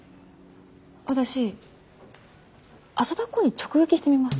私浅田航に直撃してみます。